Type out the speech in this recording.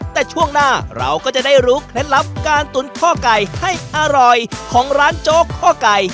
แต่ช่วงหน้าเราก็จะได้รู้เคล็ดลับการตุ๋นข้อไก่ให้อร่อยของร้านโจ๊กข้อไก่